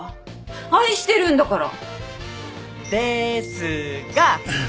愛してるんだから